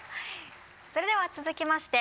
それでは続きまして